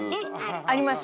ありました。